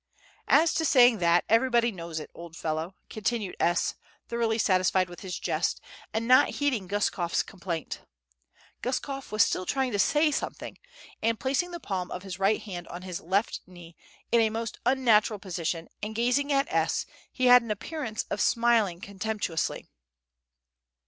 "As to saying that, everybody knows it, old fellow," continued S., thoroughly satisfied with his jest, and not heeding Guskof's complaint. Guskof was still trying to say something; and placing the palm of his right hand on his left knee in a most unnatural position, and gazing at S., he had an appearance of smiling contemptuously.